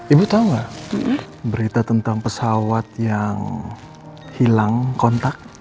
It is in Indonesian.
ibu tau gak berita tentang pesawat yang hilang kontak